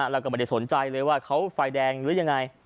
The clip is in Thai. แล้วก็ไม่ได้สนใจเลยว่าเขาไฟแดงหรือยังไง